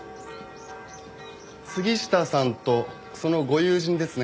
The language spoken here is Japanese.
杉下さんとそのご友人ですね。